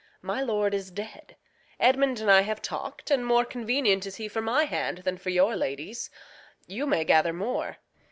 My lord is dead; Edmund and I have talk'd, And more convenient is he for my hand Than for your lady's. You may gather more.